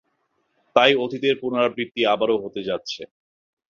তাই, অতীতের পুনরাবৃত্তি আবারও হতে যাচ্ছে!